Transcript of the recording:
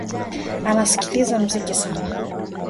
Anasikiliza muziki sana